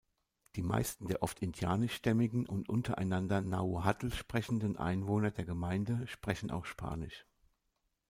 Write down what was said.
Die meisten der oft indianisch-stämmigen und untereinander Nahuatl-sprechenden Einwohner der Gemeinde sprechen auch Spanisch.